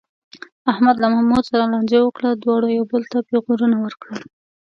احمد له محمود سره لانجه وکړه، دواړو یو بل ته پېغورونه ورکړل.